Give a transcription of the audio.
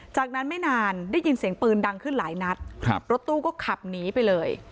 จากนั้นไม่นานได้ยินเสียงปืนดังขึ้นหลายนัดครับรถตู้ก็ขับหนีไปเลย